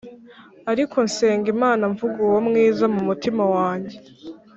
Ariko nsenga Imana mvuga, uwo mwiza mu mutima wanjye